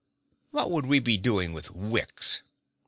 What would we be doing with wicks?"